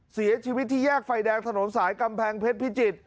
เสียชีวิตที่แยกไฟแดงถนนสายกำแพงเพชรพิจิตร